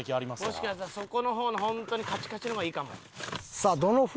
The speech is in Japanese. もしかしたら底の方の本当にカチカチの方がいいかも。